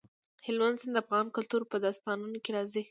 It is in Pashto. هلمند سیند د افغان کلتور په داستانونو کې راځي.